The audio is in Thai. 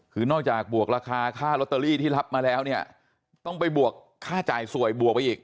คือนอกจากบวกราคาค่าลอตเตอรี่ที่รับมาแล้วเนี่ยต้องไปบวกค่าจ่ายสวยบวกไปอีก